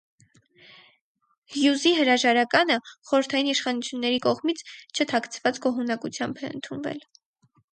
Հյուզի հրաժարականը խորհրդային իշխանությունների կողմից չթաքցված գոհունակությամբ է ընդունվել։